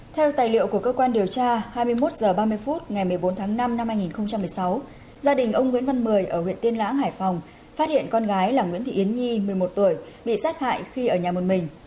theo tài liệu của cơ quan điều tra hai mươi một h ba mươi phút ngày một mươi bốn tháng năm năm hai nghìn một mươi sáu gia đình ông nguyễn văn mười ở huyện tiên lãng hải phòng phát hiện con gái là nguyễn thị yến nhi một mươi một tuổi bị sát hại khi ở nhà một mình